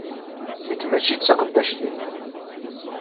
Nekk mačči d taqeddact-im!